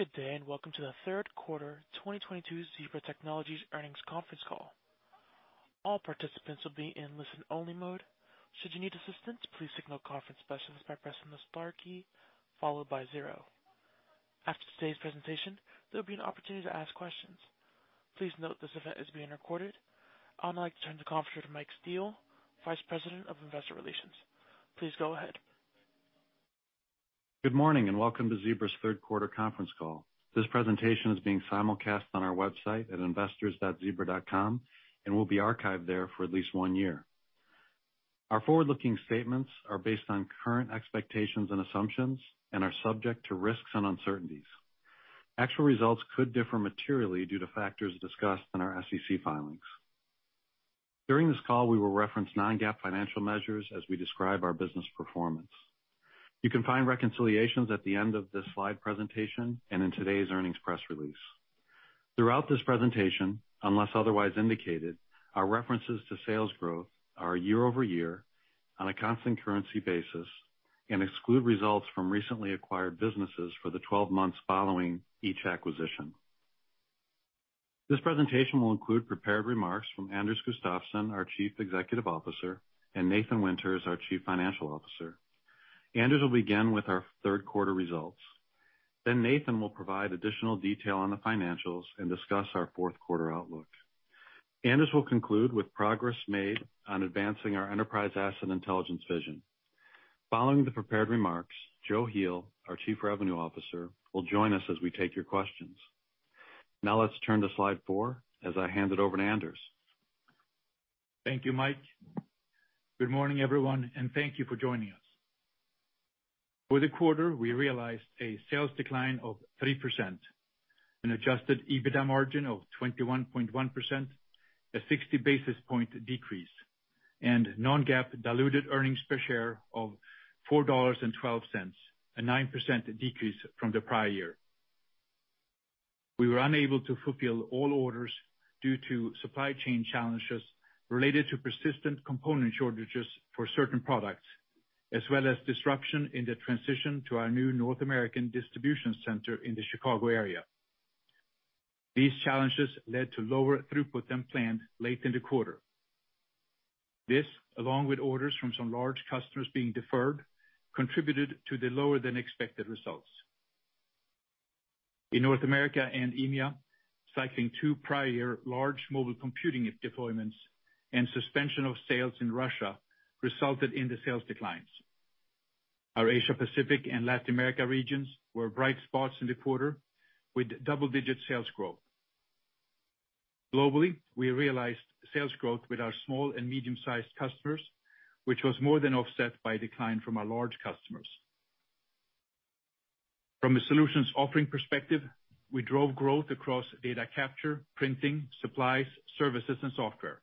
Good day, and welcome to the third quarter 2022 Zebra Technologies earnings conference call. All participants will be in listen only mode. Should you need assistance, please signal conference specialists by pressing the star key followed by zero. After today's presentation, there'll be an opportunity to ask questions. Please note this event is being recorded. I would like to turn the conference to Mike Steele, Vice President of Investor Relations. Please go ahead. Good morning, and welcome to Zebra's third quarter conference call. This presentation is being simulcast on our website at investors.zebra.com and will be archived there for at least one year. Our forward-looking statements are based on current expectations and assumptions and are subject to risks and uncertainties. Actual results could differ materially due to factors discussed in our SEC filings. During this call, we will reference non-GAAP financial measures as we describe our business performance. You can find reconciliations at the end of this slide presentation and in today's earnings press release. Throughout this presentation, unless otherwise indicated, our references to sales growth are year-over-year on a constant currency basis and exclude results from recently acquired businesses for the twelve months following each acquisition. This presentation will include prepared remarks from Anders Gustafsson, our Chief Executive Officer, and Nathan Winters, our Chief Financial Officer. Anders will begin with our third quarter results, then Nathan will provide additional detail on the financials and discuss our fourth quarter outlook. Anders will conclude with progress made on advancing our enterprise asset intelligence vision. Following the prepared remarks, Joe Heel, our Chief Revenue Officer, will join us as we take your questions. Now let's turn to slide four as I hand it over to Anders. Thank you, Mike. Good morning, everyone, and thank you for joining us. For the quarter, we realized a sales decline of 3%, an adjusted EBITDA margin of 21.1%, a 60 basis point decrease, and non-GAAP diluted earnings per share of $4.12, a 9% decrease from the prior year. We were unable to fulfill all orders due to supply chain challenges related to persistent component shortages for certain products, as well as disruption in the transition to our new North American distribution center in the Chicago area. These challenges led to lower throughput than planned late in the quarter. This, along with orders from some large customers being deferred, contributed to the lower than expected results. In North America and EMEA, cycling two prior large mobile computing deployments and suspension of sales in Russia resulted in the sales declines. Our Asia-Pacific and Latin America regions were bright spots in the quarter with double-digit sales growth. Globally, we realized sales growth with our small and medium-sized customers, which was more than offset by decline from our large customers. From a solutions offering perspective, we drove growth across data capture, printing, supplies, services, and software.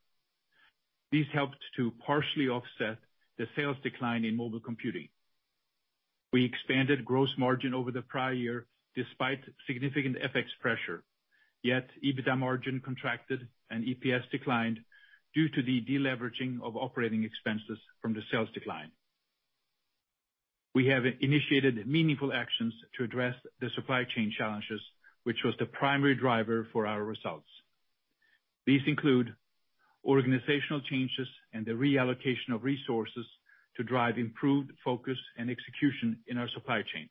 These helped to partially offset the sales decline in mobile computing. We expanded gross margin over the prior year despite significant FX pressure, yet EBITDA margin contracted and EPS declined due to the deleveraging of operating expenses from the sales decline. We have initiated meaningful actions to address the supply chain challenges, which was the primary driver for our results. These include organizational changes and the reallocation of resources to drive improved focus and execution in our supply chain,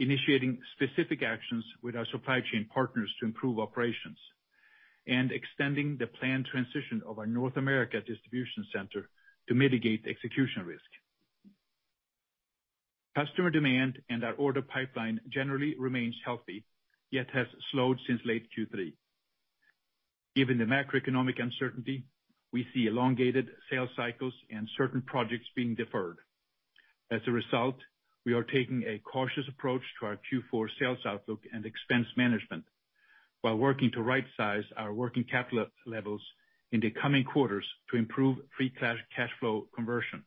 initiating specific actions with our supply chain partners to improve operations, and extending the planned transition of our North America distribution center to mitigate execution risk. Customer demand and our order pipeline generally remains healthy, yet has slowed since late Q3. Given the macroeconomic uncertainty, we see elongated sales cycles and certain projects being deferred. As a result, we are taking a cautious approach to our Q4 sales outlook and expense management while working to right size our working capital levels in the coming quarters to improve free cash flow conversion.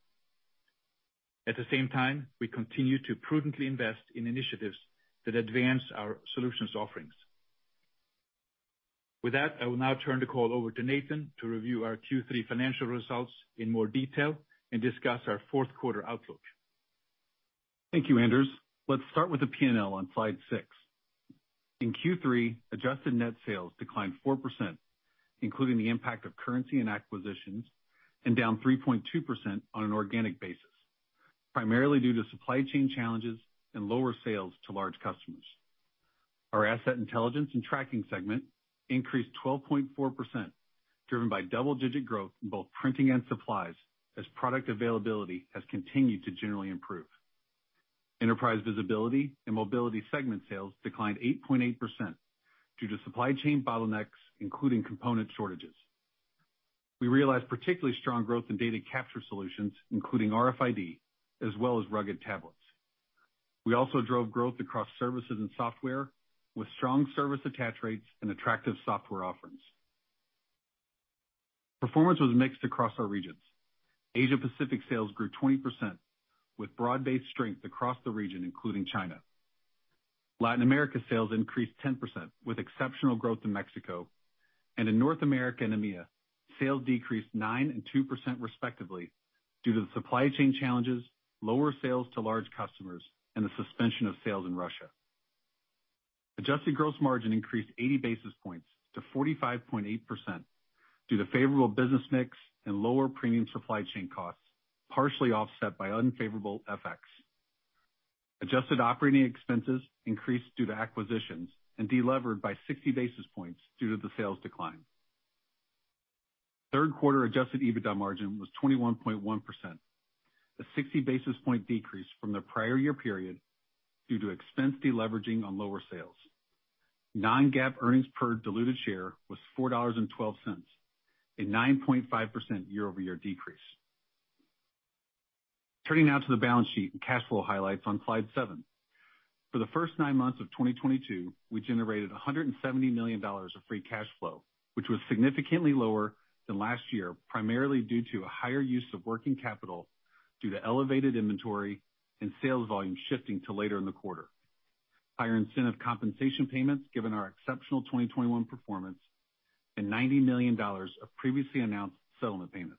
At the same time, we continue to prudently invest in initiatives that advance our solutions offerings. With that, I will now turn the call over to Nathan to review our Q3 financial results in more detail and discuss our fourth quarter outlook. Thank you, Anders. Let's start with the P&L on slide six. In Q3, adjusted net sales declined 4%, including the impact of currency and acquisitions, and down 3.2% on an organic basis, primarily due to supply chain challenges and lower sales to large customers. Our Asset Intelligence and Tracking segment increased 12.4%, driven by double-digit growth in both printing and supplies as product availability has continued to generally improve. Enterprise Visibility and Mobility segment sales declined 8.8% due to supply chain bottlenecks, including component shortages. We realized particularly strong growth in data capture solutions, including RFID as well as rugged tablets. We also drove growth across services and software with strong service attach rates and attractive software offerings. Performance was mixed across our regions. Asia Pacific sales grew 20% with broad-based strength across the region, including China. Latin America sales increased 10% with exceptional growth in Mexico. In North America and EMEA, sales decreased 9% and 2% respectively due to the supply chain challenges, lower sales to large customers, and the suspension of sales in Russia. Adjusted gross margin increased 80 basis points to 45.8% due to favorable business mix and lower premium supply chain costs, partially offset by unfavorable FX. Adjusted operating expenses increased due to acquisitions and delivered by 60 basis points due to the sales decline. Third quarter adjusted EBITDA margin was 21.1%, a 60 basis point decrease from the prior year period due to expense deleveraging on lower sales. Non-GAAP earnings per diluted share was $4.12, a 9.5% year-over-year decrease. Turning now to the balance sheet and cash flow highlights on slide seven. For the first nine months of 2022, we generated $170 million of free cash flow, which was significantly lower than last year, primarily due to a higher use of working capital due to elevated inventory and sales volume shifting to later in the quarter. Higher incentive compensation payments given our exceptional 2021 performance and $90 million of previously announced settlement payments.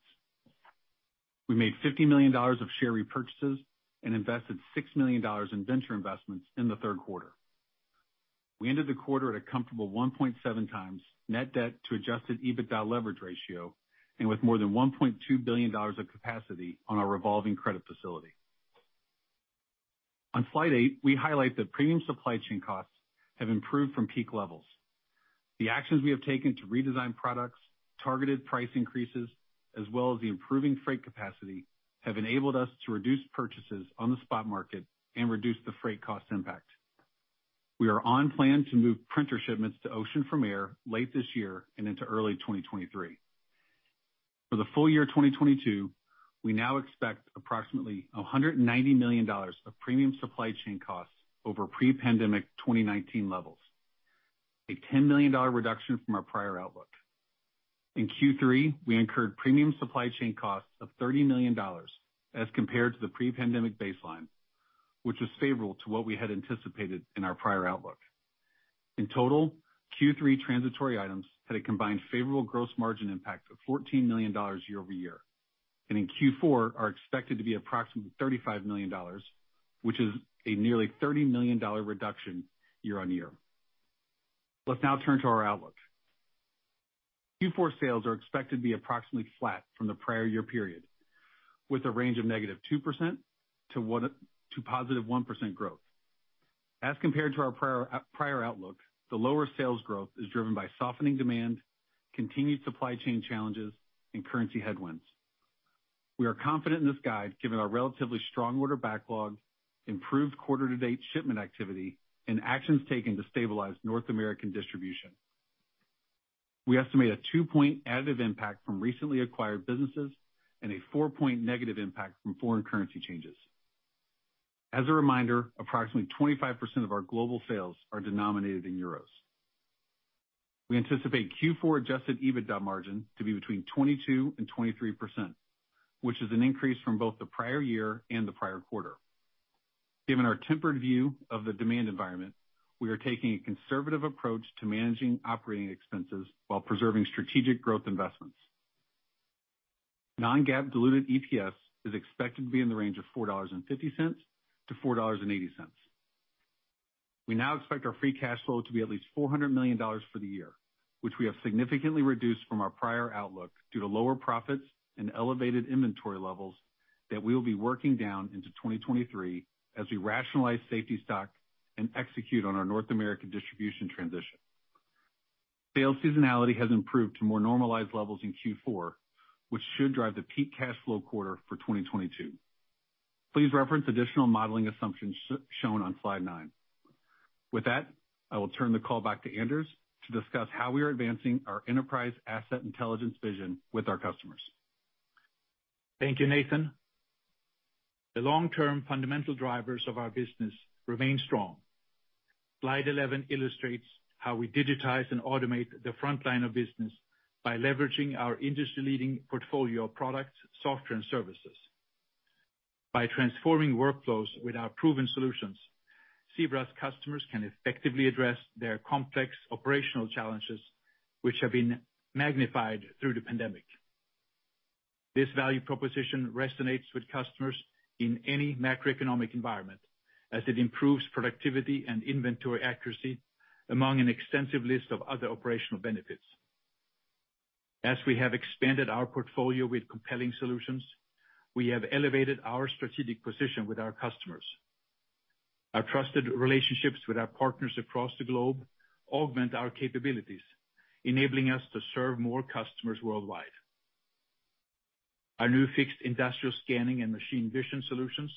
We made $50 million of share repurchases and invested $6 million in venture investments in the third quarter. We ended the quarter at a comfortable 1.7x net debt to adjusted EBITDA leverage ratio, and with more than $1.2 billion of capacity on our revolving credit facility. On slide eight, we highlight that premium supply chain costs have improved from peak levels. The actions we have taken to redesign products, targeted price increases, as well as the improving freight capacity, have enabled us to reduce purchases on the spot market and reduce the freight cost impact. We are on plan to move printer shipments to ocean from air late this year and into early 2023. For the full year 2022, we now expect approximately $190 million of premium supply chain costs over pre-pandemic 2019 levels, a $10 million reduction from our prior outlook. In Q3, we incurred premium supply chain costs of $30 million as compared to the pre-pandemic baseline, which was favorable to what we had anticipated in our prior outlook. In total, Q3 transitory items had a combined favorable gross margin impact of $14 million year-over-year, and in Q4 are expected to be approximately $35 million, which is a nearly $30 million reduction year-over-year. Let's now turn to our outlook. Q4 sales are expected to be approximately flat from the prior year period, with a range of -2% to +1% growth. As compared to our prior outlook, the lower sales growth is driven by softening demand, continued supply chain challenges, and currency headwinds. We are confident in this guide given our relatively strong order backlog, improved quarter-to-date shipment activity, and actions taken to stabilize North American distribution. We estimate a two-point additive impact from recently acquired businesses and a four-point negative impact from foreign currency changes. As a reminder, approximately 25% of our global sales are denominated in euros. We anticipate Q4 adjusted EBITDA margin to be between 22% and 23%, which is an increase from both the prior year and the prior quarter. Given our tempered view of the demand environment, we are taking a conservative approach to managing operating expenses while preserving strategic growth investments. Non-GAAP diluted EPS is expected to be in the range of $4.50 to $4.80. We now expect our free cash flow to be at least $400 million for the year, which we have significantly reduced from our prior outlook due to lower profits and elevated inventory levels that we will be working down into 2023 as we rationalize safety stock and execute on our North American distribution transition. Sales seasonality has improved to more normalized levels in Q4, which should drive the peak cash flow quarter for 2022. Please reference additional modeling assumptions shown on slide nine. With that, I will turn the call back to Anders to discuss how we are advancing our enterprise asset intelligence vision with our customers. Thank you, Nathan. The long-term fundamental drivers of our business remain strong. Slide 11 illustrates how we digitize and automate the frontline of business by leveraging our industry-leading portfolio of products, software, and services. By transforming workflows with our proven solutions, Zebra's customers can effectively address their complex operational challenges, which have been magnified through the pandemic. This value proposition resonates with customers in any macroeconomic environment as it improves productivity and inventory accuracy among an extensive list of other operational benefits. As we have expanded our portfolio with compelling solutions, we have elevated our strategic position with our customers. Our trusted relationships with our partners across the globe augment our capabilities, enabling us to serve more customers worldwide. Our new fixed industrial scanning and machine vision solutions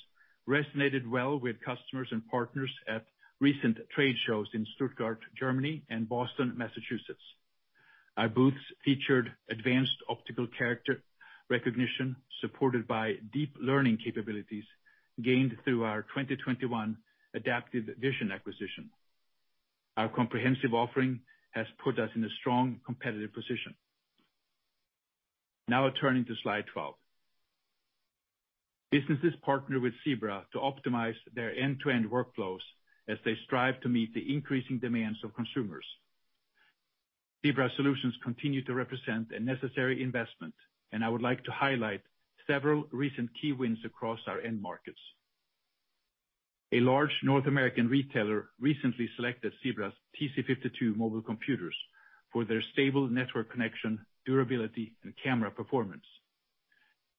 resonated well with customers and partners at recent trade shows in Stuttgart, Germany and Boston, Massachusetts. Our booths featured advanced optical character recognition supported by deep learning capabilities gained through our 2021 Adaptive Vision acquisition. Our comprehensive offering has put us in a strong competitive position. Now turning to slide 12. Businesses partner with Zebra to optimize their end-to-end workflows as they strive to meet the increasing demands of consumers. Zebra solutions continue to represent a necessary investment, and I would like to highlight several recent key wins across our end markets. A large North American retailer recently selected Zebra's TC52 mobile computers for their stable network connection, durability, and camera performance.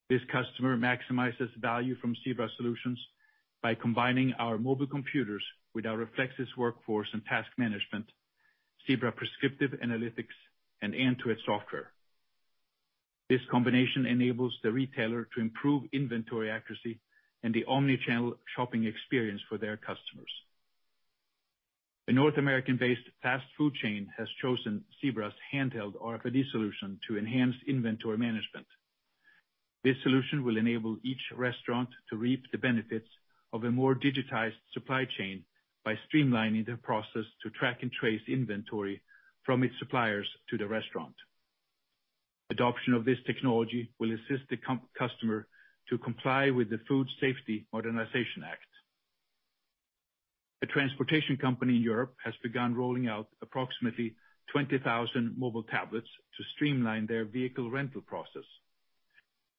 This customer maximizes value from Zebra solutions by combining our mobile computers with our Reflexis Workforce and Task Management, Zebra Prescriptive Analytics, and end-to-end software. This combination enables the retailer to improve inventory accuracy and the omni-channel shopping experience for their customers. A North American-based fast food chain has chosen Zebra's handheld RFID solution to enhance inventory management. This solution will enable each restaurant to reap the benefits of a more digitized supply chain by streamlining the process to track and trace inventory from its suppliers to the restaurant. Adoption of this technology will assist the customer to comply with the Food Safety Modernization Act. A transportation company in Europe has begun rolling out approximately 20,000 mobile tablets to streamline their vehicle rental process.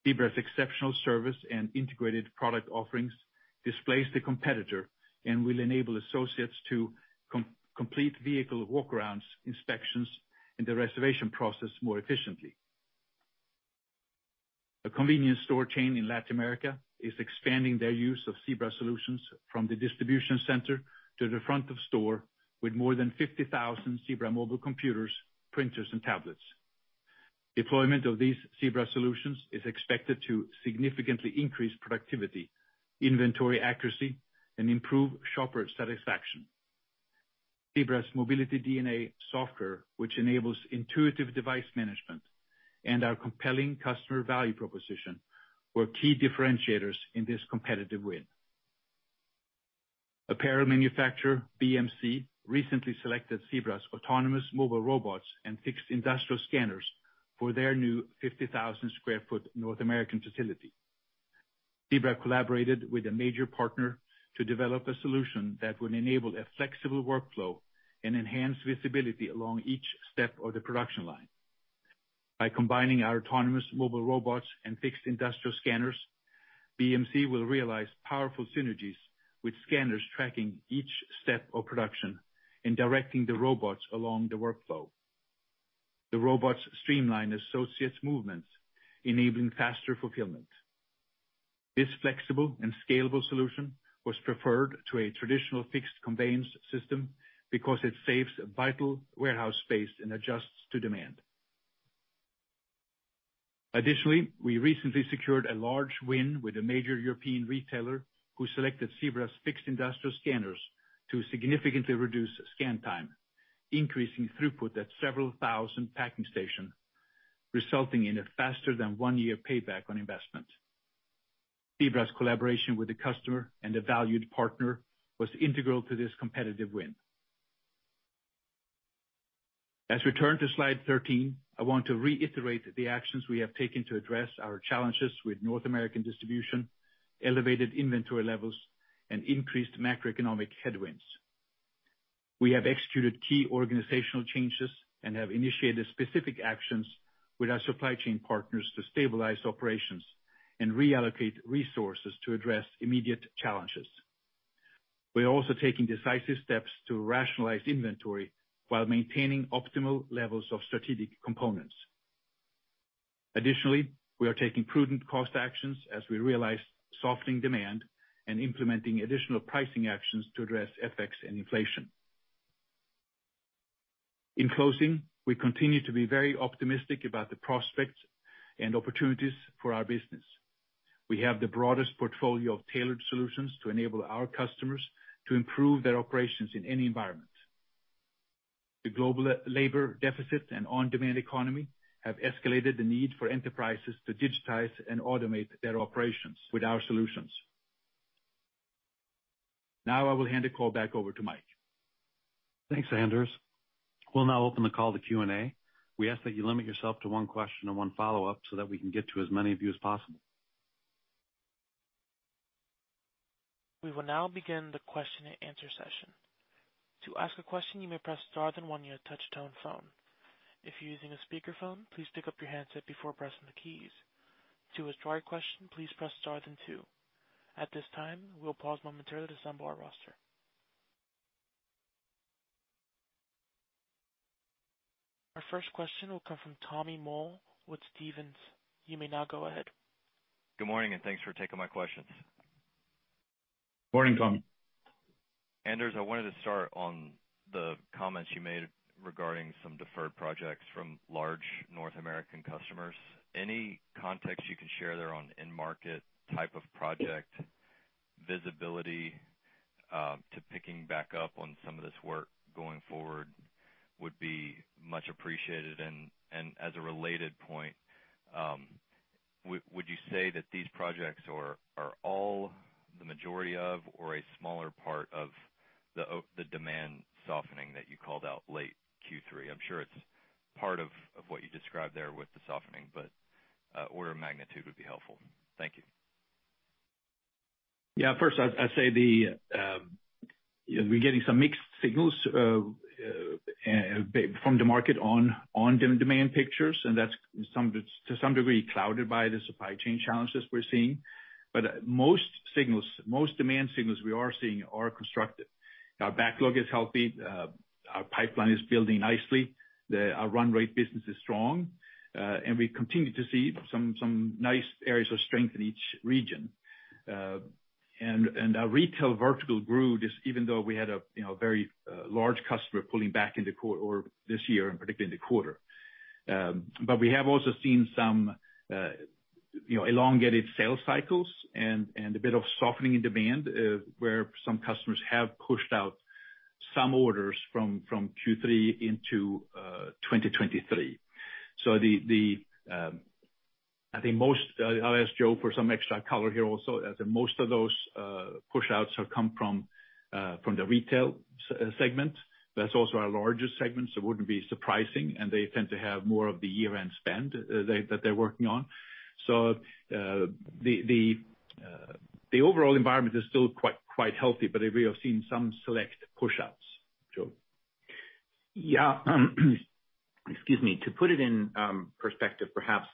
Zebra's exceptional service and integrated product offerings displaced the competitor and will enable associates to complete vehicle walkarounds, inspections, and the reservation process more efficiently. A convenience store chain in Latin America is expanding their use of Zebra solutions from the distribution center to the front of store with more than 50,000 Zebra mobile computers, printers, and tablets. Deployment of these Zebra solutions is expected to significantly increase productivity, inventory accuracy, and improve shopper satisfaction. Zebra's Mobility DNA software, which enables intuitive device management and our compelling customer value proposition, were key differentiators in this competitive win. Apparel manufacturer BMC recently selected Zebra's autonomous mobile robots and fixed industrial scanners for their new 50,000 sq ft North American facility. Zebra collaborated with a major partner to develop a solution that would enable a flexible workflow and enhance visibility along each step of the production line. By combining our autonomous mobile robots and fixed industrial scanners, BMC will realize powerful synergies with scanners tracking each step of production and directing the robots along the workflow. The robots streamline associates' movements, enabling faster fulfillment. This flexible and scalable solution was preferred to a traditional fixed conveyance system because it saves vital warehouse space and adjusts to demand. Additionally, we recently secured a large win with a major European retailer who selected Zebra's fixed industrial scanners to significantly reduce scan time, increasing throughput at several thousand packing stations, resulting in a faster than one year payback on investment. Zebra's collaboration with the customer and a valued partner was integral to this competitive win. As we turn to slide 13, I want to reiterate the actions we have taken to address our challenges with North American distribution, elevated inventory levels, and increased macroeconomic headwinds. We have executed key organizational changes and have initiated specific actions with our supply chain partners to stabilize operations and reallocate resources to address immediate challenges. We are also taking decisive steps to rationalize inventory while maintaining optimal levels of strategic components. Additionally, we are taking prudent cost actions as we realize softening demand and implementing additional pricing actions to address FX and inflation. In closing, we continue to be very optimistic about the prospects and opportunities for our business. We have the broadest portfolio of tailored solutions to enable our customers to improve their operations in any environment. The global labor deficit and on-demand economy have escalated the need for enterprises to digitize and automate their operations with our solutions. Now I will hand the call back over to Mike. Thanks, Anders. We'll now open the call to Q&A. We ask that you limit yourself to one question and one follow-up so that we can get to as many of you as possible. We will now begin the Q&A session. To ask a question, you may press star then one on your touchtone phone. If you're using a speakerphone, please pick up your handset before pressing the keys. To withdraw your question, please press star then two. At this time, we'll pause momentarily to assemble our roster. Our first question will come from Tommy Moll with Stephens. You may now go ahead. Good morning, and thanks for taking my questions. Morning, Tommy. Anders, I wanted to start on the comments you made regarding some deferred projects from large North American customers. Any context you can share there on end market type of project visibility to picking back up on some of this work going forward would be much appreciated. As a related point, would you say that these projects are the majority of or a smaller part of the demand softening that you called out late Q3. I'm sure it's part of what you described there with the softening, but order of magnitude would be helpful. Thank you. Yeah, first I'd say we're getting some mixed signals from the market on demand picture, and that's to some degree clouded by the supply chain challenges we're seeing. Most signals, most demand signals we are seeing are constructive. Our backlog is healthy, our pipeline is building nicely, our run rate business is strong, and we continue to see some nice areas of strength in each region. Our retail vertical grew just even though we had a, you know, very large customer pulling back in the quarter or this year, and particularly in the quarter. We have also seen some, you know, elongated sales cycles and a bit of softening in demand, where some customers have pushed out some orders from Q3 into 2023. I'll ask Joe for some extra color here also, as in most of those push-outs have come from the retail segment. That's also our largest segment, so it wouldn't be surprising, and they tend to have more of the year-end spend that they're working on. The overall environment is still quite healthy, but we have seen some select push-outs. Joe? Yeah. Excuse me. To put it in perspective, perhaps,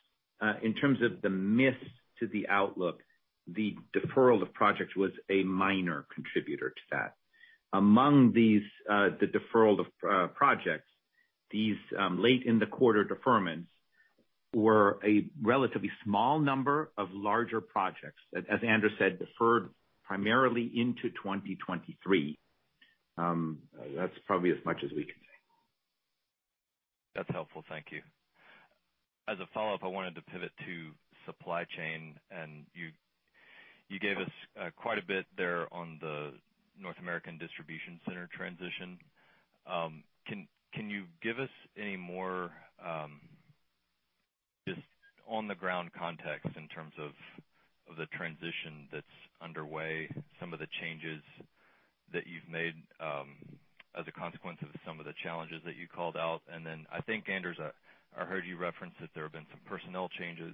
in terms of the miss to the outlook, the deferral of projects was a minor contributor to that. Among these, the deferral of projects, these late in the quarter deferments were a relatively small number of larger projects that, as Anders said, deferred primarily into 2023. That's probably as much as we can say. That's helpful. Thank you. As a follow-up, I wanted to pivot to supply chain, and you gave us quite a bit there on the North American distribution center transition. Can you give us any more just on-the-ground context in terms of the transition that's underway, some of the changes that you've made as a consequence of some of the challenges that you called out? Then I think, Anders, I heard you reference that there have been some personnel changes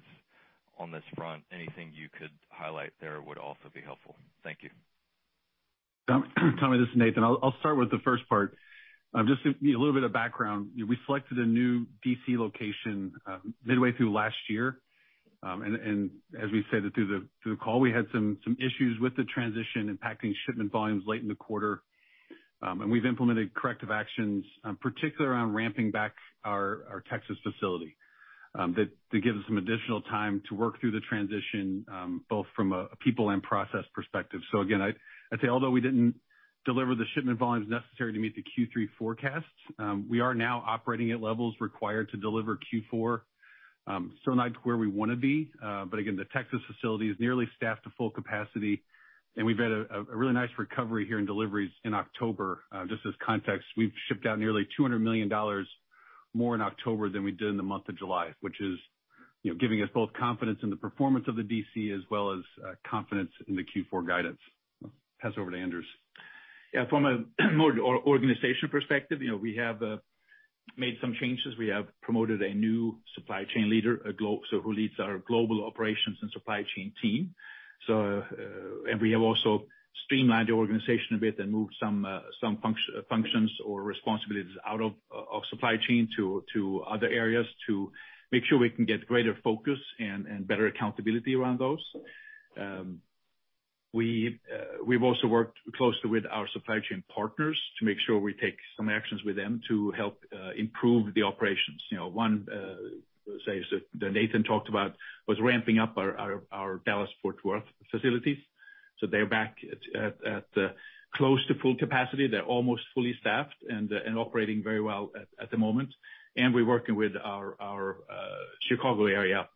on this front. Anything you could highlight there would also be helpful. Thank you. Tom, Tommy, this is Nathan. I'll start with the first part. Just to give you a little bit of background, we selected a new DC location midway through last year. As we said through the call, we had some issues with the transition impacting shipment volumes late in the quarter. We've implemented corrective actions, particularly around ramping back our Texas facility, that give us some additional time to work through the transition, both from a people and process perspective. Again, I'd say although we didn't deliver the shipment volumes necessary to meet the Q3 forecasts, we are now operating at levels required to deliver Q4, still not to where we wanna be, but again, the Texas facility is nearly staffed to full capacity, and we've had a really nice recovery here in deliveries in October. Just as context, we've shipped out nearly $200 million more in October than we did in the month of July, which is, you know, giving us both confidence in the performance of the DC as well as confidence in the Q4 guidance. Pass over to Anders. Yeah. From a more organizational perspective, you know, we have made some changes. We have promoted a new supply chain leader, so who leads our global operations and supply chain team. We have also streamlined the organization a bit and moved some functions or responsibilities out of supply chain to other areas to make sure we can get greater focus and better accountability around those. We've also worked closely with our supply chain partners to make sure we take some actions with them to help improve the operations. You know, one say is the Nathan talked about was ramping up our Dallas-Fort Worth facilities. They're back at close to full capacity. They're almost fully staffed and operating very well at the moment. We're working with our Chicago area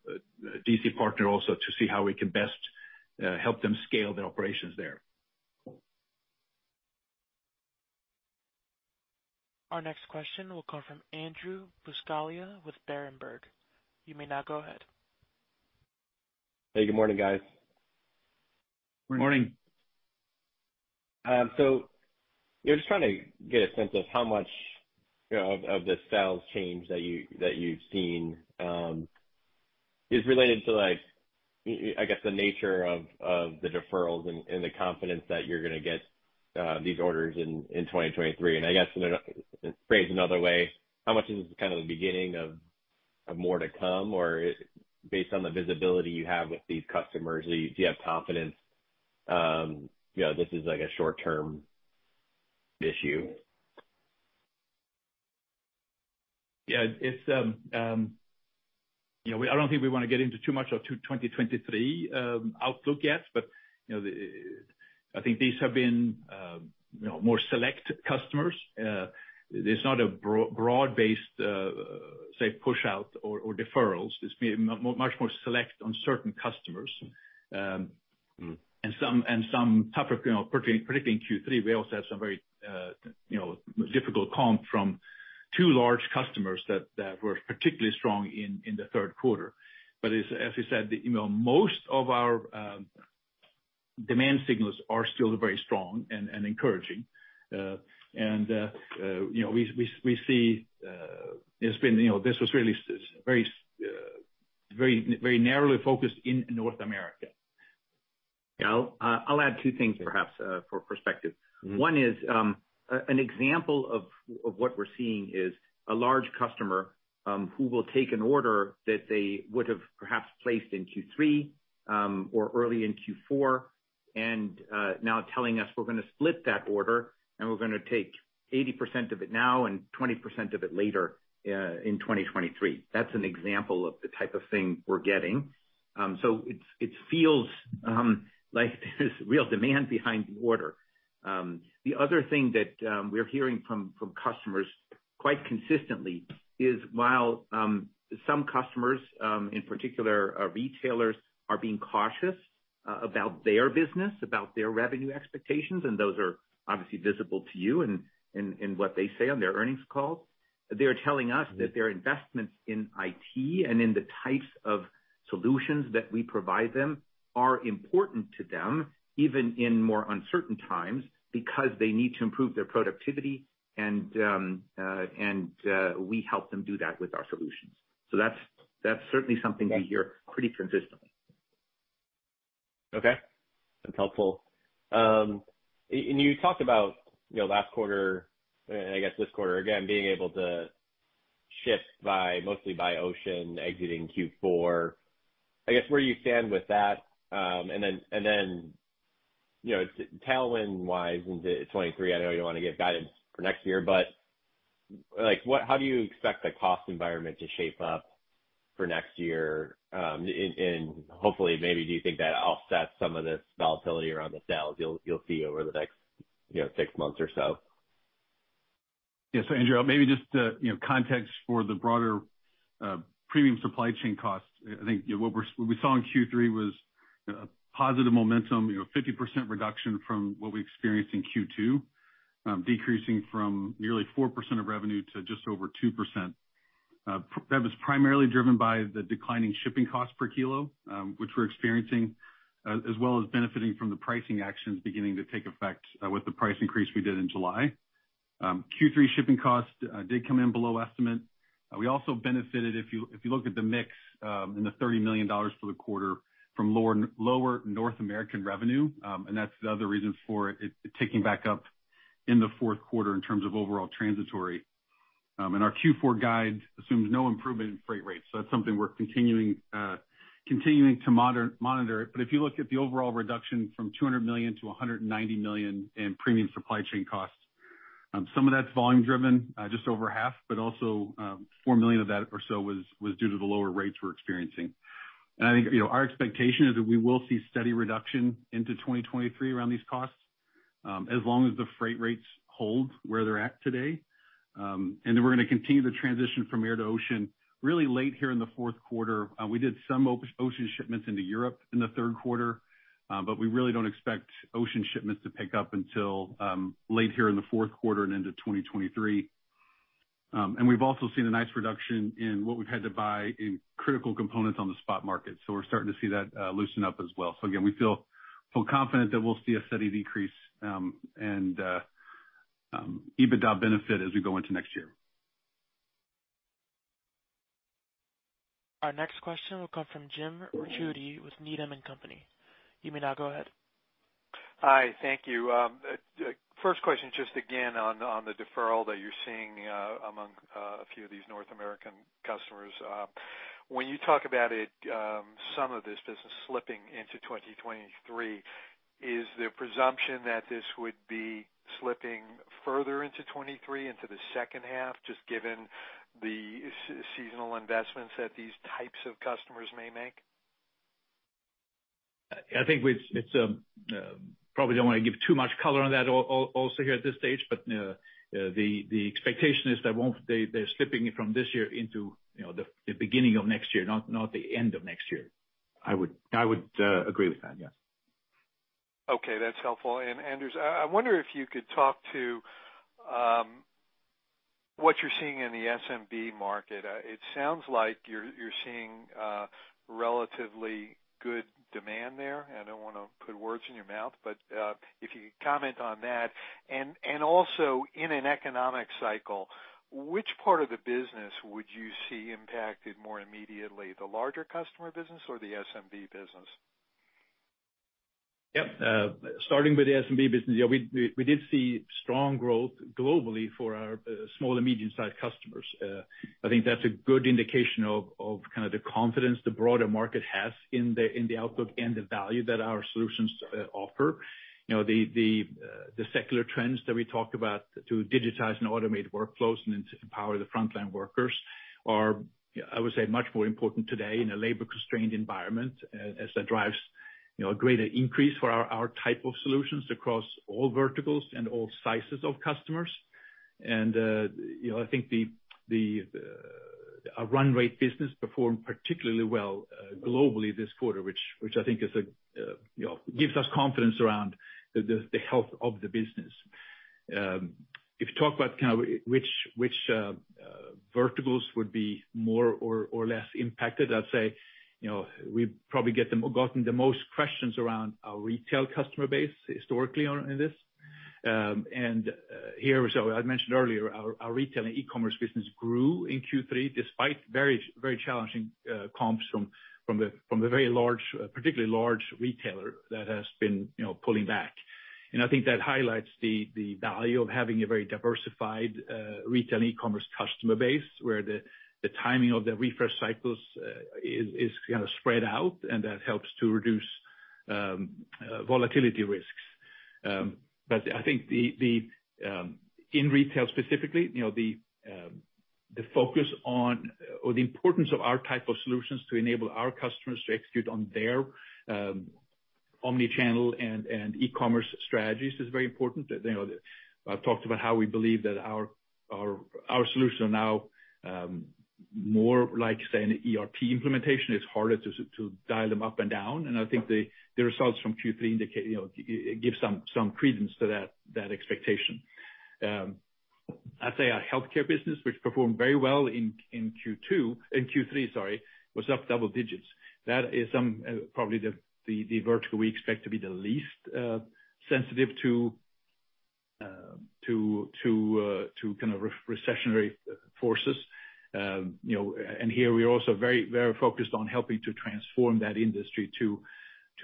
DC partner also to see how we can best help them scale their operations there. Our next question will come from Andrew Buscaglia with Berenberg. You may now go ahead. Hey, good morning, guys. Morning. Morning. You know, just trying to get a sense of how much, you know, of the sales change that you've seen is related to, like, I guess, the nature of the deferrals and the confidence that you're gonna get these orders in 2023. I guess another, phrased another way, how much is this kind of the beginning of more to come? Or based on the visibility you have with these customers, do you have confidence, you know, this is like a short-term issue? Yeah. It's you know, I don't think we wanna get into too much of 2023 outlook yet. I think these have been you know, more select customers. It's not a broad-based say push-out or deferrals. It's much more select on certain customers. Mm. Some type of, you know, particularly in Q3, we also had some very, you know, difficult comp from two large customers that were particularly strong in the third quarter. As we said, you know, most of our demand signals are still very strong and encouraging. You know, we see it's been, you know, this was really very narrowly focused in North America. Yeah. I'll add two things perhaps, for perspective. Mm-hmm. One is an example of what we're seeing is a large customer who will take an order that they would have perhaps placed in Q3 or early in Q4 and now telling us we're gonna split that order and we're gonna take 80% of it now and 20% of it later in 2023. That's an example of the type of thing we're getting. It feels like there's real demand behind the order. The other thing that we're hearing from customers quite consistently is while some customers in particular retailers are being cautious about their business about their revenue expectations and those are obviously visible to you in what they say on their earnings calls. They are telling us that their investments in IT and in the types of solutions that we provide them are important to them, even in more uncertain times, because they need to improve their productivity and we help them do that with our solutions. That's certainly something we hear pretty consistently. Okay, that's helpful. You talked about, you know, last quarter, and I guess this quarter, again, being able to ship mostly by ocean exiting Q4. I guess where you stand with that, and then, you know, tailwind wise into 2023, I know you don't want to give guidance for next year, but, like, what, how do you expect the cost environment to shape up for next year? And hopefully, maybe do you think that offsets some of this volatility around the sales you'll see over the next, you know, six months or so? Yeah. Andrew, maybe just to, you know, context for the broader premium supply chain costs. I think what we saw in Q3 was a positive momentum, you know, 50% reduction from what we experienced in Q2, decreasing from nearly 4% of revenue to just over 2%. That was primarily driven by the declining shipping cost per kilo, which we're experiencing, as well as benefiting from the pricing actions beginning to take effect, with the price increase we did in July. Q3 shipping costs did come in below estimate. We also benefited, if you look at the mix, and the $30 million for the quarter from lower North American revenue, and that's the other reason for it ticking back up in the fourth quarter in terms of overall transitory. Our Q4 guide assumes no improvement in freight rates. That's something we're continuing to monitor. If you look at the overall reduction from $200 million to $190 million in premium supply chain costs, some of that's volume driven, just over half, but also, $4 million of that or so was due to the lower rates we're experiencing. I think, you know, our expectation is that we will see steady reduction into 2023 around these costs, as long as the freight rates hold where they're at today. Then we're gonna continue to transition from air to ocean really late here in the fourth quarter. We did some ocean shipments into Europe in the third quarter, but we really don't expect ocean shipments to pick up until late here in the fourth quarter and into 2023. We've also seen a nice reduction in what we've had to buy in critical components on the spot market. We're starting to see that loosen up as well. Again, we feel confident that we'll see a steady decrease, and EBITDA benefit as we go into next year. Our next question will come from James Ricchiuti with Needham & Company. You may now go ahead. Hi, thank you. First question, just again on the deferral that you're seeing among a few of these North American customers. When you talk about it, some of this business slipping into 2023, is there presumption that this would be slipping further into 2023, into the second half, just given the seasonal investments that these types of customers may make? I think it's probably don't want to give too much color on that also here at this stage, but the expectation is they're slipping it from this year into, you know, the beginning of next year, not the end of next year. I would agree with that. Yes. Okay, that's helpful. Anders, I wonder if you could talk about what you're seeing in the SMB market. It sounds like you're seeing relatively good demand there. I don't wanna put words in your mouth, but if you could comment on that. Also in an economic cycle, which part of the business would you see impacted more immediately, the larger customer business or the SMB business? Yep. Starting with the SMB business. We did see strong growth globally for our small and medium-sized customers. I think that's a good indication of kind of the confidence the broader market has in the outlook and the value that our solutions offer. You know, the secular trends that we talked about to digitize and automate workflows and to empower the frontline workers are, I would say, much more important today in a labor-constrained environment as that drives, you know, a greater increase for our type of solutions across all verticals and all sizes of customers. You know, I think our run rate business performed particularly well globally this quarter, which I think gives us confidence around the health of the business. If you talk about kind of which verticals would be more or less impacted, I'd say, you know, we probably get the most questions around our retail customer base historically on this. I mentioned earlier our retail and e-commerce business grew in Q3 despite very challenging comps from the very large, particularly large retailer that has been, you know, pulling back. I think that highlights the value of having a very diversified retail e-commerce customer base, where the timing of the refresh cycles is kind of spread out, and that helps to reduce volatility risks. I think the in retail specifically, you know, the focus on or the importance of our type of solutions to enable our customers to execute on their omni-channel and e-commerce strategies is very important. You know, I've talked about how we believe that our solution now more like, say, an ERP implementation, it's harder to dial them up and down. I think the results from Q3 indicate, you know, it gives some credence to that expectation. I'd say our healthcare business, which performed very well in Q2, in Q3, sorry, was up double digits. That is, probably the vertical we expect to be the least sensitive to kind of recessionary forces. You know, here we are also very, very focused on helping to transform that industry to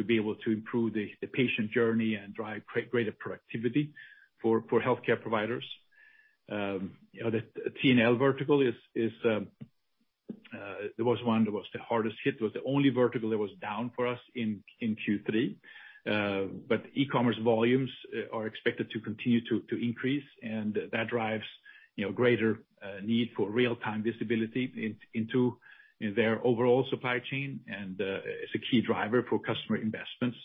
be able to improve the patient journey and drive greater productivity for healthcare providers. You know, the T&L vertical is, it was one that was the hardest hit, was the only vertical that was down for us in Q3. But e-commerce volumes are expected to continue to increase, and that drives, you know, greater need for real-time visibility into their overall supply chain and is a key driver for customer investments.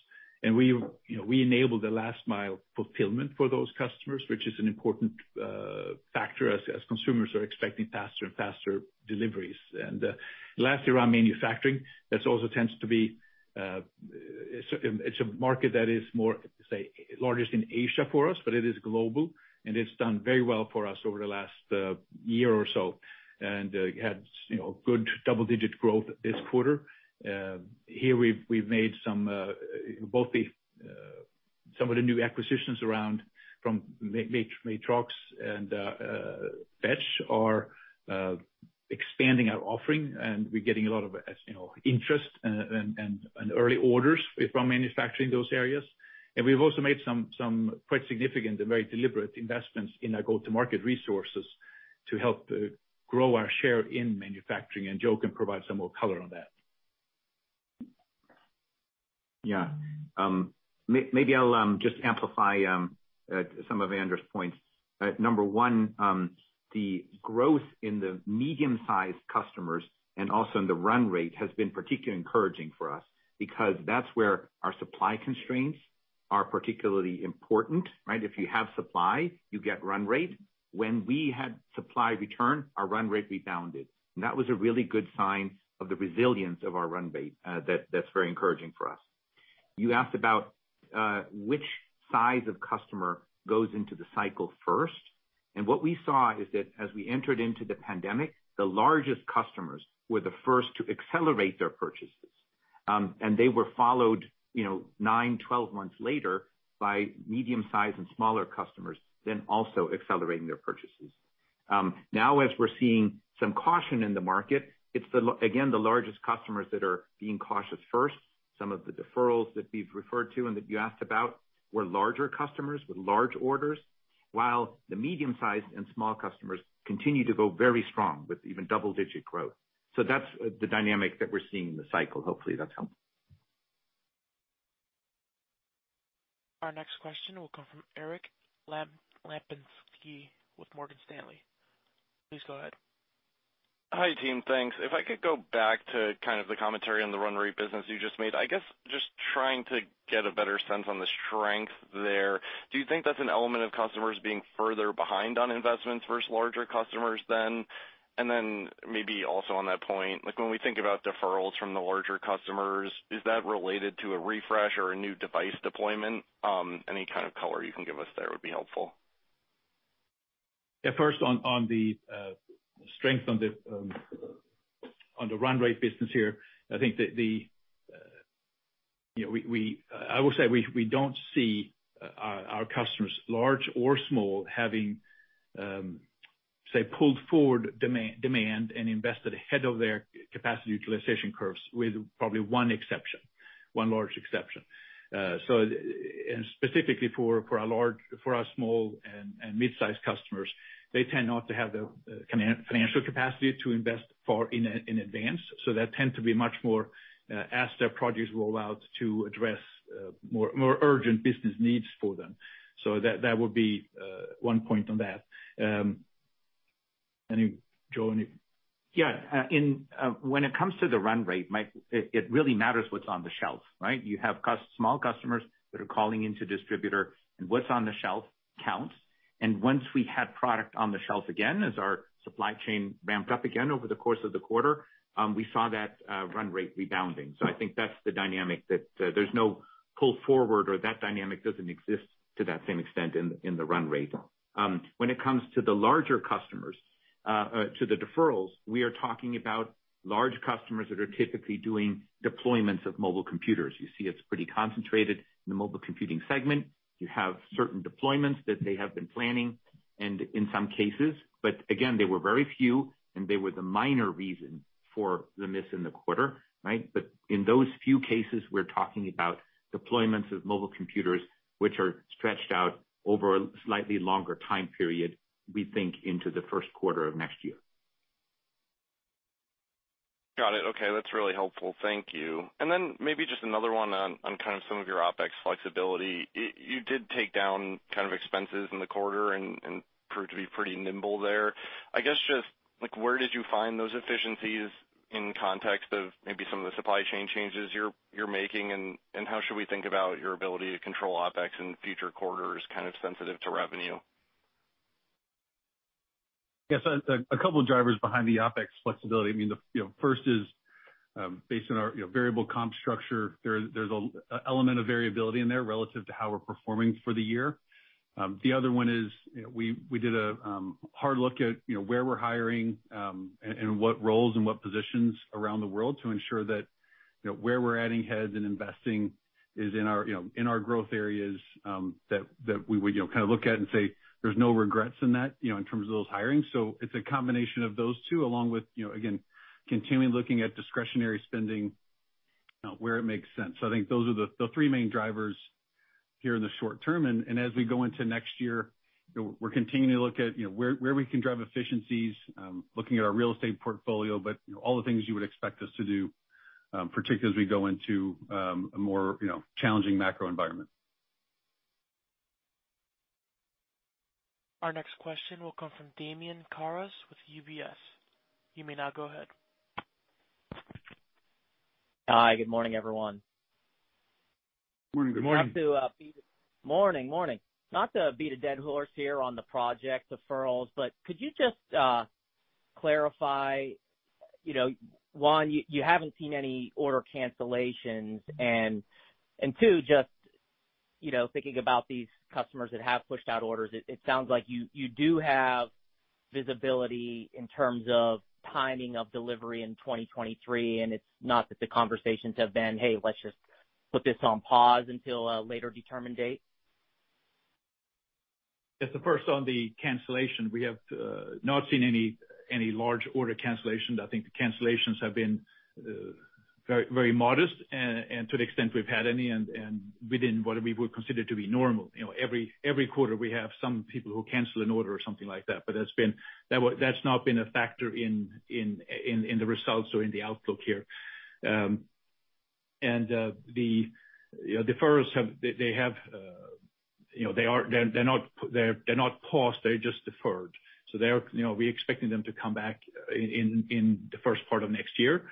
You know, we enable the last mile fulfillment for those customers, which is an important factor as consumers are expecting faster and faster deliveries. Lastly, around manufacturing, this also tends to be, it's a market that is more, say, largest in Asia for us, but it is global, and it's done very well for us over the last year or so and had, you know, good double-digit growth this quarter. Here we've made some both from Matrox and Fetch are expanding our offering, and we're getting a lot of, you know, interest and early orders from manufacturing those areas. We've also made some quite significant and very deliberate investments in our go-to-market resources to help grow our share in manufacturing, and Joe can provide some more color on that. Yeah. Maybe I'll just amplify some of Anders' points. Number one, the growth in the medium-sized customers and also in the run rate has been particularly encouraging for us because that's where our supply constraints are particularly important, right? If you have supply, you get run rate. When we had supply return, our run rate rebounded. That was a really good sign of the resilience of our run rate. That's very encouraging for us. You asked about which size of customer goes into the cycle first, and what we saw is that as we entered into the pandemic, the largest customers were the first to accelerate their purchases. They were followed, you know, nine, 12 months later by medium-sized and smaller customers, then also accelerating their purchases. Now as we're seeing some caution in the market, it's the, again, the largest customers that are being cautious first. Some of the deferrals that we've referred to and that you asked about were larger customers with large orders, while the medium-sized and small customers continue to go very strong with even double-digit growth. That's the dynamic that we're seeing in the cycle. Hopefully, that's helpful. Our next question will come from Erik Lapinski with Morgan Stanley. Please go ahead. Hi, team. Thanks. If I could go back to kind of the commentary on the run rate business you just made. I guess just trying to get a better sense on the strength there. Do you think that's an element of customers being further behind on investments versus larger customers then? Maybe also on that point, like when we think about deferrals from the larger customers, is that related to a refresh or a new device deployment? Any kind of color you can give us there would be helpful. Yeah, first on the strength on the run rate business here, I think that, you know, I will say we don't see our customers, large or small, having pulled forward demand and invested ahead of their capacity utilization curves, with probably one large exception. Specifically for our small and mid-sized customers, they tend not to have the financial capacity to invest far in advance. They tend to be much more as their projects roll out to address more urgent business needs for them. That would be one point on that. Any, Joe, any. Yeah. When it comes to the run rate, Mike, it really matters what's on the shelf, right? You have small customers that are calling into distributor and what's on the shelf counts. Once we had product on the shelf again, as our supply chain ramped up again over the course of the quarter, we saw that run rate rebounding. I think that's the dynamic that there's no pull forward or that dynamic doesn't exist to that same extent in the run rate. When it comes to the larger customers, to the deferrals, we are talking about large customers that are typically doing deployments of mobile computers. You see it's pretty concentrated in the mobile computing segment. You have certain deployments that they have been planning and in some cases. Again, they were very few, and they were the minor reason for the miss in the quarter, right? In those few cases, we're talking about deployments of mobile computers, which are stretched out over a slightly longer time period, we think into the first quarter of next year. Got it. Okay, that's really helpful. Thank you. Maybe just another one on kind of some of your OpEx flexibility. You did take down kind of expenses in the quarter and proved to be pretty nimble there. I guess just, like where did you find those efficiencies in context of maybe some of the supply chain changes you're making, and how should we think about your ability to control OpEx in future quarters kind of sensitive to revenue? Yes, a couple of drivers behind the OpEx flexibility. I mean, you know, the first is based on our, you know, variable comp structure. There's an element of variability in there relative to how we're performing for the year. The other one is, you know, we did a hard look at, you know, where we're hiring and what roles and what positions around the world to ensure that, you know, where we're adding heads and investing is in our, you know, in our growth areas, that we would, you know, kinda look at and say there's no regrets in that, you know, in terms of those hiring. It's a combination of those two along with, you know, again, continuing looking at discretionary spending where it makes sense. I think those are the three main drivers here in the short term. As we go into next year, you know, we're continuing to look at, you know, where we can drive efficiencies, looking at our real estate portfolio, but you know, all the things you would expect us to do, particularly as we go into a more, you know, challenging macro environment. Our next question will come from Damian Karas with UBS. You may now go ahead. Hi. Good morning, everyone. Morning. Good morning. Not to beat a dead horse here on the project deferrals, but could you just clarify, you know, one, you haven't seen any order cancellations. And two, just, you know, thinking about these customers that have pushed out orders, it sounds like you do have visibility in terms of timing of delivery in 2023, and it's not that the conversations have been, "Hey, let's just put this on pause until a later determined date. Yes. The first on the cancellation, we have not seen any large order cancellations. I think the cancellations have been very modest and to the extent we've had any and within what we would consider to be normal. You know, every quarter, we have some people who cancel an order or something like that, but that's not been a factor in the results or in the outlook here. And the deferrals have. They have, you know, they're not paused, they're just deferred. So they are, you know, we're expecting them to come back in the first part of next year.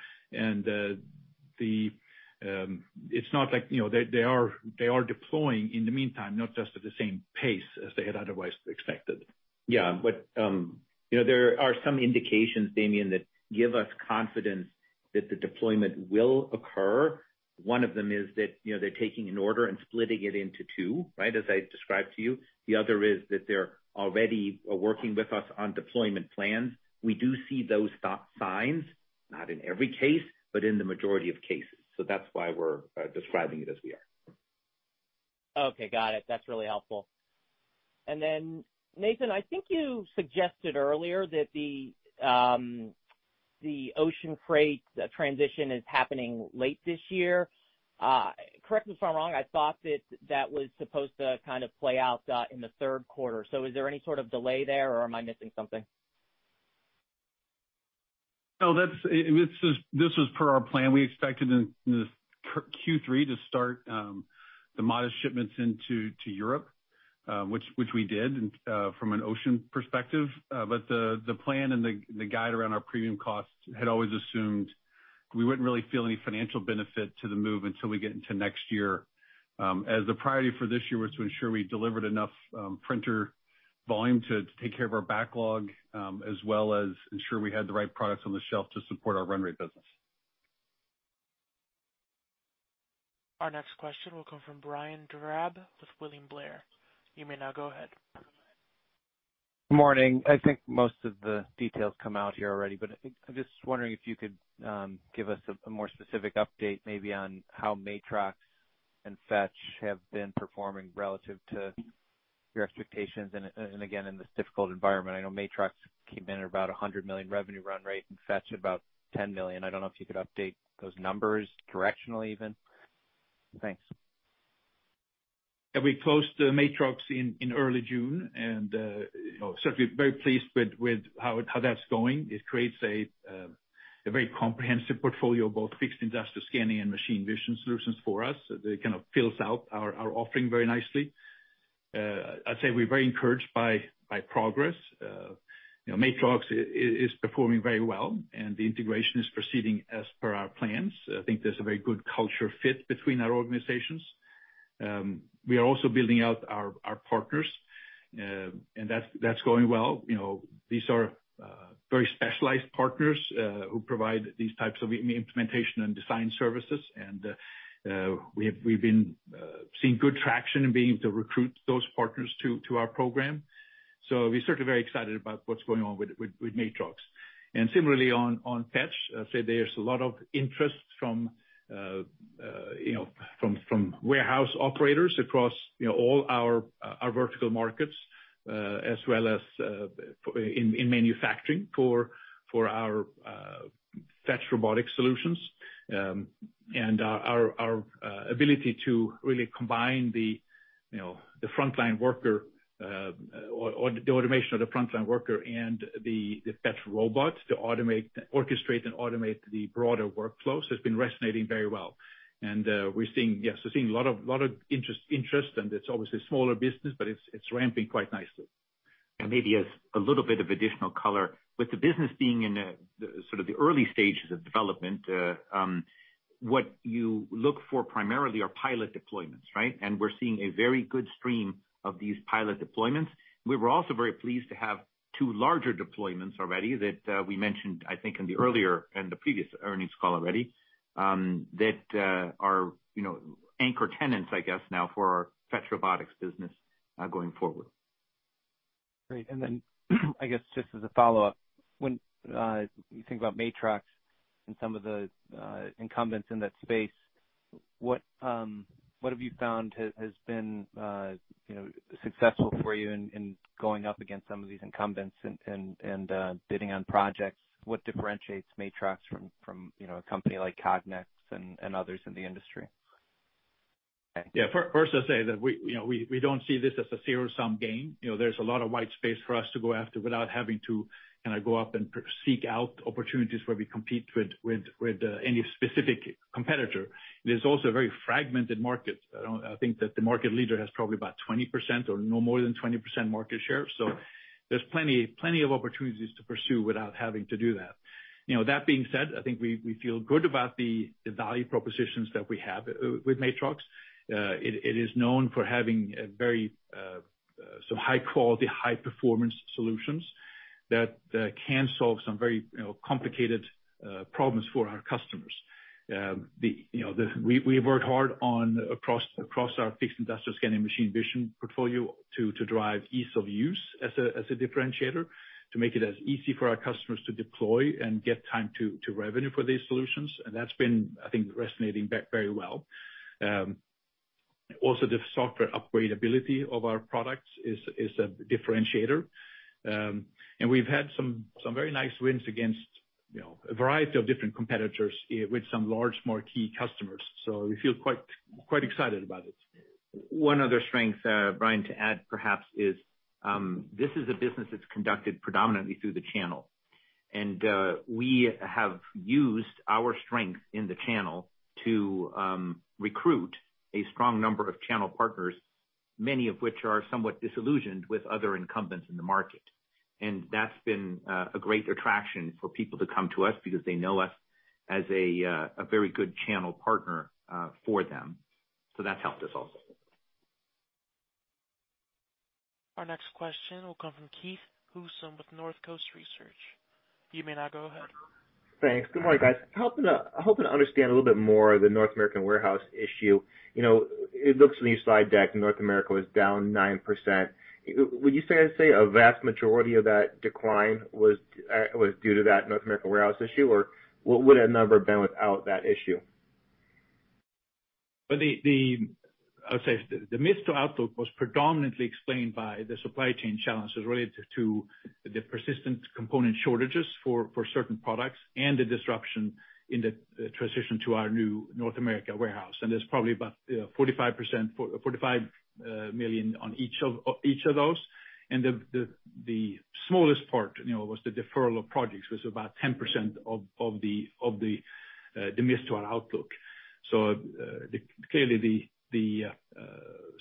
It's not like, you know, they are deploying in the meantime, not just at the same pace as they had otherwise expected. Yeah. You know, there are some indications, Damian, that give us confidence that the deployment will occur. One of them is that, you know, they're taking an order and splitting it into two, right? As I described to you. The other is that they're already working with us on deployment plans. We do see those signs, not in every case, but in the majority of cases. That's why we're describing it as we are. Okay. Got it. That's really helpful. Then, Nathan, I think you suggested earlier that the ocean freight transition is happening late this year. Correct me if I'm wrong, I thought that was supposed to kind of play out in the third quarter. Is there any sort of delay there, or am I missing something? No, this is per our plan. We expected in Q3 to start the modest shipments into Europe, which we did, and from an ocean perspective. The plan and the guidance around our premium costs had always assumed we wouldn't really feel any financial benefit to the move until we get into next year, as the priority for this year was to ensure we delivered enough printer volume to take care of our backlog, as well as ensure we had the right products on the shelf to support our run rate business. Our next question will come from Brian Drab with William Blair. You may now go ahead. Morning. I think most of the details come out here already, but I think I'm just wondering if you could give us a more specific update maybe on how Matrox and Fetch have been performing relative to your expectations and again, in this difficult environment. I know Matrox came in at about $100 million revenue run rate, and Fetch about $10 million. I don't know if you could update those numbers directionally even. Thanks. Yeah. We closed Matrox in early June and you know certainly very pleased with how that's going. It creates. A very comprehensive portfolio of both fixed industrial scanning and machine vision solutions for us. They kind of fills out our offering very nicely. I'd say we're very encouraged by progress. You know, Matrox is performing very well, and the integration is proceeding as per our plans. I think there's a very good culture fit between our organizations. We are also building out our partners, and that's going well. You know, these are very specialized partners who provide these types of implementation and design services. And, we've been seeing good traction in being able to recruit those partners to our program. We're certainly very excited about what's going on with Matrox. Similarly on Fetch, I'd say there's a lot of interest from you know from warehouse operators across you know all our vertical markets as well as in manufacturing for our Fetch robotic solutions. Our ability to really combine the you know the frontline worker or the automation of the frontline worker and the Fetch robot to orchestrate and automate the broader workflows has been resonating very well. We're seeing a lot of interest and it's obviously a smaller business but it's ramping quite nicely. Maybe as a little bit of additional color, with the business being in sort of the early stages of development, what you look for primarily are pilot deployments, right? We're seeing a very good stream of these pilot deployments. We were also very pleased to have two larger deployments already that we mentioned, I think, in the previous earnings call already, that are, you know, anchor tenants, I guess, now for our Fetch Robotics business going forward. Great. Then I guess just as a follow-up, when you think about Matrox and some of the incumbents in that space, what have you found has been you know successful for you in going up against some of these incumbents and bidding on projects? What differentiates Matrox from you know a company like Cognex and others in the industry? Yeah. First I'd say that we don't see this as a zero-sum game. You know, there's a lot of white space for us to go after without having to kinda go up and seek out opportunities where we compete with any specific competitor. It is also a very fragmented market. I think that the market leader has probably about 20% or no more than 20% market share. So there's plenty of opportunities to pursue without having to do that. You know, that being said, I think we feel good about the value propositions that we have with Matrox. It is known for having a very some high quality, high performance solutions that can solve some very, you know, complicated problems for our customers. We've worked hard across our fixed industrial scanning machine vision portfolio to drive ease of use as a differentiator, to make it as easy for our customers to deploy and get time to revenue for these solutions. That's been, I think, resonating back very well. Also the software upgrade ability of our products is a differentiator. We've had some very nice wins against, you know, a variety of different competitors with some large marquee customers. We feel quite excited about it. One other strength, Brian, to add perhaps this is a business that's conducted predominantly through the channel. We have used our strength in the channel to recruit a strong number of channel partners, many of which are somewhat disillusioned with other incumbents in the market. That's been a great attraction for people to come to us because they know us as a very good channel partner for them. That's helped us also. Our next question will come from Keith Housum with Northcoast Research. You may now go ahead. Thanks. Good morning, guys. Hoping to understand a little bit more the North American warehouse issue. You know, it looks in your slide deck, North America was down 9%. Would you say a vast majority of that decline was due to that North American warehouse issue, or what would that number have been without that issue? Well, I would say the miss to outlook was predominantly explained by the supply chain challenges related to the persistent component shortages for certain products and the disruption in the transition to our new North America warehouse. There's probably about, you know, $45 million on each of those. The smallest part, you know, was the deferral of projects was about 10% of the miss to our outlook. Clearly, the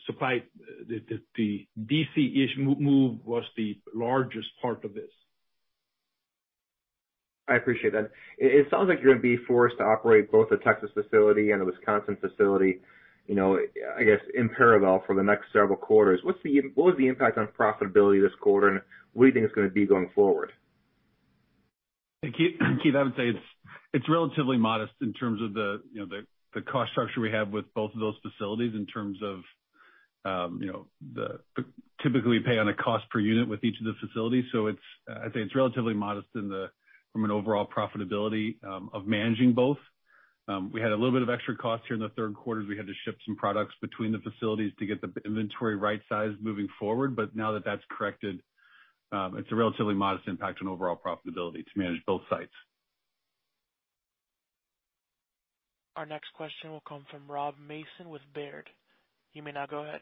supply, the DC-ish move was the largest part of this. I appreciate that. It sounds like you're gonna be forced to operate both the Texas facility and the Wisconsin facility, you know, I guess in parallel for the next several quarters. What was the impact on profitability this quarter, and what do you think it's gonna be going forward? Hey, Keith, I would say it's relatively modest in terms of the you know the cost structure we have with both of those facilities. Typically, we pay on a cost per unit with each of the facilities. I'd say it's relatively modest from an overall profitability of managing both. We had a little bit of extra cost here in the third quarter as we had to ship some products between the facilities to get the inventory right-sized moving forward. Now that that's corrected, it's a relatively modest impact on overall profitability to manage both sites. Our next question will come from Rob Mason with Baird. You may now go ahead.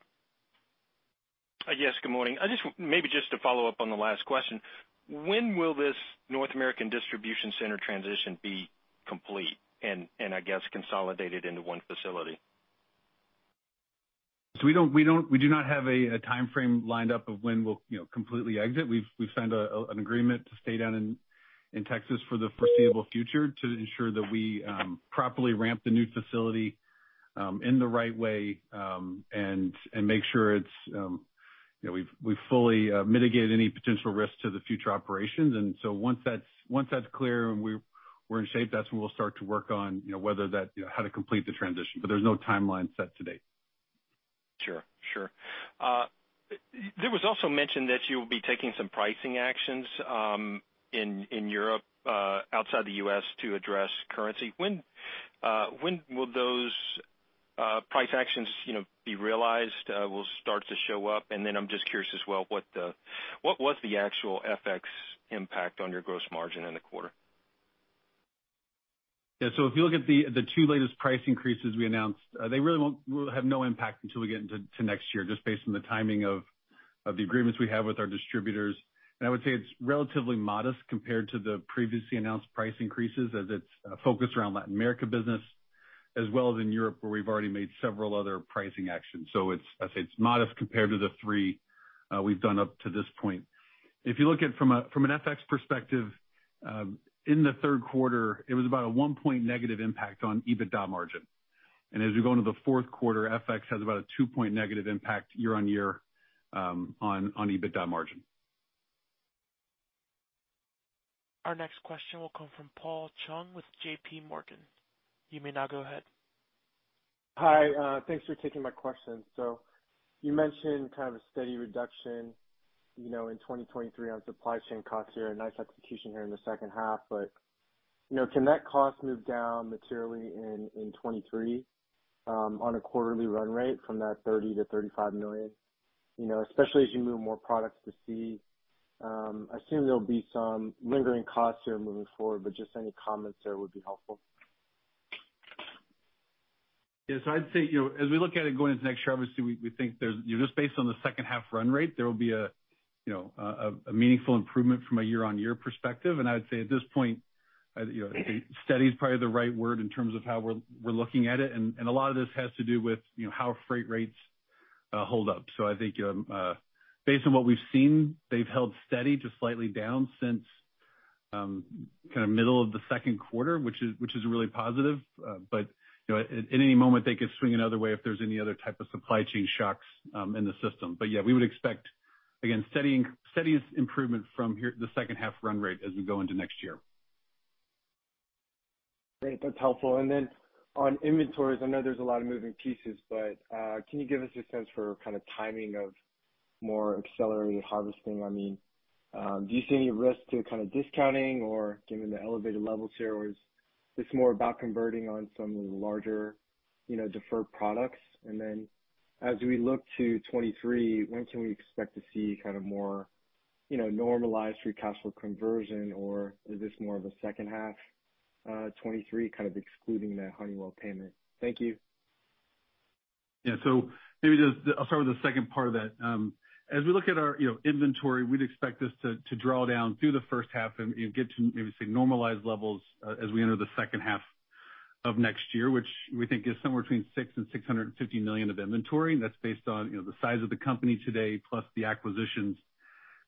Yes, good morning. Maybe just to follow up on the last question. When will this North American distribution center transition be complete and I guess consolidated into one facility? We do not have a timeframe lined up of when we'll, you know, completely exit. We've signed an agreement to stay down in Texas for the foreseeable future to ensure that we properly ramp the new facility in the right way, and make sure it's, you know, we've fully mitigated any potential risk to the future operations. Once that's clear and we're in shape, that's when we'll start to work on, you know, whether that, you know, how to complete the transition. There's no timeline set to date. There was also mention that you'll be taking some pricing actions in Europe outside the U.S. to address currency. When will those pricing actions, you know, start to show up? I'm just curious as well, what was the actual FX impact on your gross margin in the quarter? Yeah. If you look at the two latest price increases we announced, they really will have no impact until we get into next year, just based on the timing of the agreements we have with our distributors. I would say it's relatively modest compared to the previously announced price increases, as it's focused around Latin America business as well as in Europe, where we've already made several other pricing actions. It's, I'd say, modest compared to the three we've done up to this point. If you look from an FX perspective, in the third quarter, it was about a 1% impact on EBITDA margin. As we go into the fourth quarter, FX has about a -2% negative impact year-over-year on EBITDA margin. Our next question will come from Paul Chung with JPMorgan. You may now go ahead. Hi, thanks for taking my question. You mentioned kind of a steady reduction, you know, in 2023 on supply chain costs here, a nice execution here in the second half. You know, can that cost move down materially in 2023 on a quarterly run rate from that $30-$35 million? You know, especially as you move more products to see. I assume there'll be some lingering costs here moving forward, but just any comments there would be helpful. Yeah. I'd say, you know, as we look at it going into next year, obviously, we think there's, you know, just based on the second half run rate, there will be a meaningful improvement from a year-on-year perspective. I would say at this point, you know, steady is probably the right word in terms of how we're looking at it. A lot of this has to do with, you know, how freight rates hold up. I think based on what we've seen, they've held steady to slightly down since kind of middle of the second quarter, which is really positive. But, you know, at any moment, they could swing another way if there's any other type of supply chain shocks in the system. Yeah, we would expect, again, steady as improvement from here, the second half run rate as we go into next year. Great. That's helpful. Then on inventories, I know there's a lot of moving pieces, but can you give us a sense for kind of timing of more accelerated harvesting? I mean, do you see any risk to kind of discounting or given the elevated levels here, or is this more about converting on some larger, you know, deferred products? Then as we look to 2023, when can we expect to see kind of more, you know, normalized free cash flow conversion? Or is this more of a second half 2023 kind of excluding that Honeywell payment? Thank you. Yeah. Maybe just I'll start with the second part of that. As we look at our, you know, inventory, we'd expect this to draw down through the first half and get to maybe say normalized levels, as we enter the second half of next year, which we think is somewhere between $600 million and $650 million of inventory. That's based on, you know, the size of the company today plus the acquisitions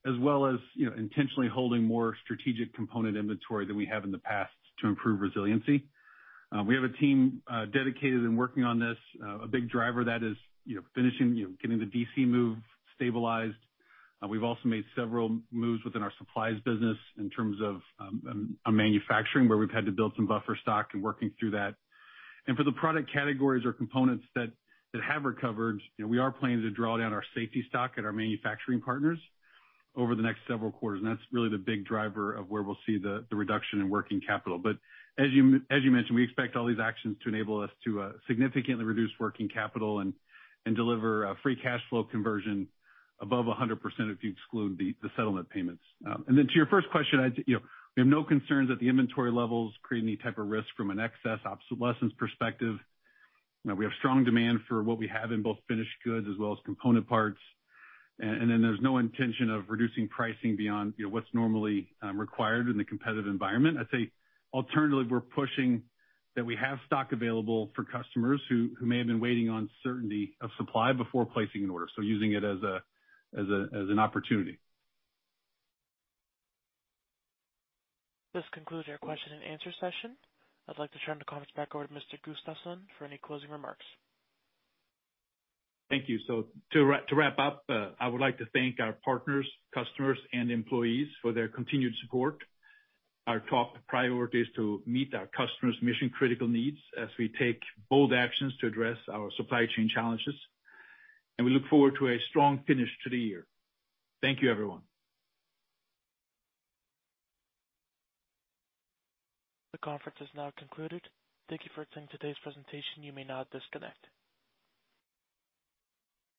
as well as, you know, intentionally holding more strategic component inventory than we have in the past to improve resiliency. We have a team dedicated and working on this. A big driver of that is, you know, finishing, you know, getting the DC move stabilized. We've also made several moves within our supplies business in terms of manufacturing, where we've had to build some buffer stock and working through that. For the product categories or components that have recovered, you know, we are planning to draw down our safety stock at our manufacturing partners over the next several quarters, and that's really the big driver of where we'll see the reduction in working capital. As you mentioned, we expect all these actions to enable us to significantly reduce working capital and deliver free cash flow conversion above 100% if you exclude the settlement payments. To your first question, you know, we have no concerns that the inventory levels create any type of risk from an excess obsolescence perspective. You know, we have strong demand for what we have in both finished goods as well as component parts. There's no intention of reducing pricing beyond, you know, what's normally required in the competitive environment. I'd say alternatively, we're pushing that we have stock available for customers who may have been waiting on certainty of supply before placing an order, so using it as an opportunity. This concludes our question and answer session. I'd like to turn the conference back over to Mr. Gustafsson for any closing remarks. Thank you. To wrap up, I would like to thank our partners, customers, and employees for their continued support. Our top priority is to meet our customers' mission-critical needs as we take bold actions to address our supply chain challenges, and we look forward to a strong finish to the year. Thank you, everyone. The conference is now concluded. Thank you for attending today's presentation. You may now disconnect.